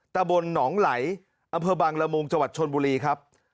ตะบนหนองไหลอบังระมุงจชนบุรีครับ